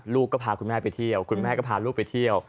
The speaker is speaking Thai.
ลูกก็พาคุณแม่ไปเที่ยวคุณแม่ก็พาลูกไปเที่ยว